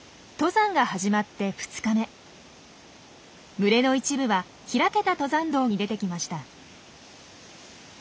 群れの一部は開けた登山道に出てきました。